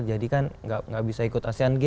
jadi kan gak bisa ikut asean game